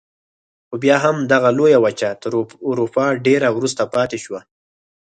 خو بیا هم دغه لویه وچه تر اروپا ډېره وروسته پاتې شوه.